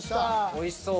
おいしそう。